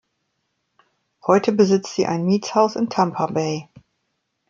Heute besitzt sie ein Mietshaus in Tampa Bay.